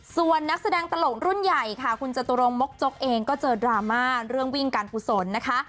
ส่วนนักแสดงตลกรุ่นใหญ่ค่ะคุณจตุรงมกจกเองก็เจอดราม่าเรื่องวิ่งการกุศลนะคะ